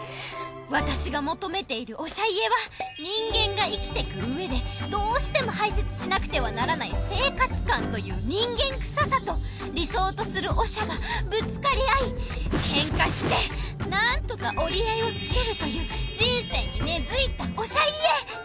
私が求めているおしゃ家は人間が生きてくうえでどうしても排泄しなくてはならない生活感という人間臭さと理想とするおしゃがぶつかり合いケンカしてなんとか折り合いをつけるという人生に根づいたおしゃ家！